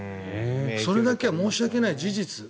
それだけは申し訳ない、事実。